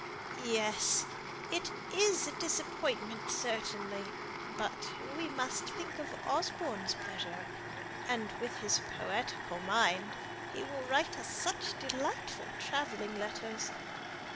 "Yes! it is a disappointment certainly, but we must think of Osborne's pleasure. And with his poetical mind, he will write us such delightful travelling letters.